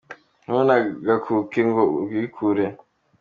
Ntunagakuke ngo urwikure